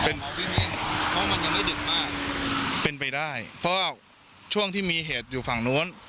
เพราะมันยังไม่ดึกมากเป็นไปได้เพราะว่าช่วงที่มีเหตุอยู่ฝั่งนู้น